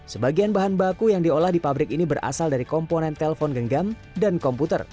sebagian bahan baku yang diolah di pabrik ini berasal dari komponen telpon genggam dan komputer